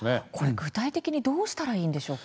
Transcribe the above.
具体的にどうしたらいいでしょうか。